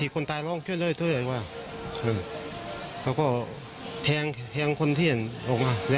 ข้าจะอยู่แกล้งมิตร